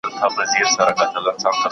¬ اوښ په خپلو متيازو کي گوډېږي.